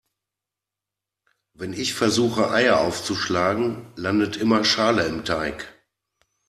Wenn ich versuche Eier aufzuschlagen, landet immer Schale im Teig.